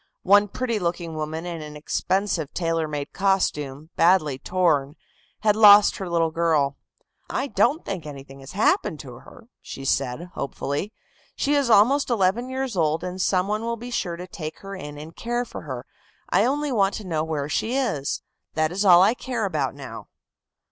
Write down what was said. One pretty looking woman in an expensive tailor made costume badly torn, had lost her little girl. "I don't think anything has happened to her," said she, hopefully. "She is almost eleven years old, and some one will be sure to take her in and care for her; I only want to know where she is. That is all I care about now."